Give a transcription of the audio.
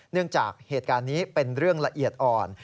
จากเหตุการณ์นี้เป็นเรื่องละเอียดอ่อน